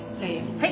はい。